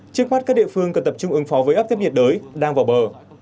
trước mắt các địa phương cần tập trung ứng phó với áp thấp nhiệt đới đang vào bờ